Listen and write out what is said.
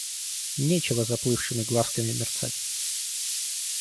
Нечего заплывшими глазками мерцать.